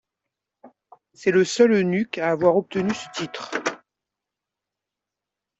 C’est le seul eunuque à avoir obtenu ce titre.